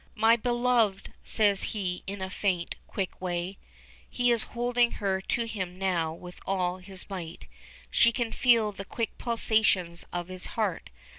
"My beloved!" says he in a faint, quick way. He is holding her to him now with all his might. She can feel the quick pulsations of his heart.